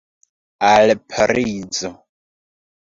Al Parizo.